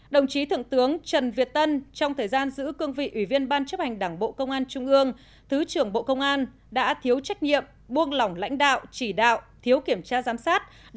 hai đồng chí thượng tướng trần việt tân trong thời gian giữ cương vị ủy viên ban chấp hành đảng bộ công an trung ương thứ trưởng bộ công an đã thiếu trách nhiệm buông lỏng lãnh đạo chỉ đạo thiếu kiểm tra giám sát